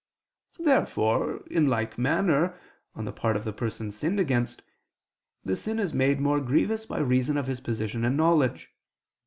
Therefore, in like manner, on the part of the person sinned against, the sin is made more grievous by reason of his position and knowledge.